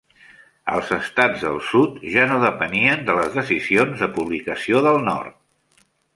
Els estats del sud ja no depenien de les decisions de publicació del nord.